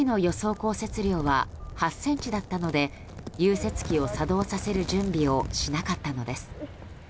降雪量は８ｃｍだったので融雪機を作動させる準備をしなかったのです。